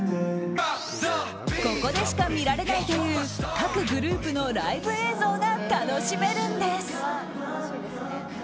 ここでしか見られないという各グループのライブ映像が楽しめるんです。